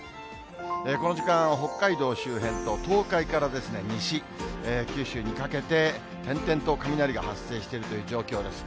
この時間、北海道周辺と東海からですね、西、九州にかけて点々と雷が発生しているという状況です。